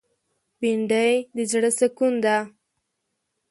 بېنډۍ د زړه سکون ده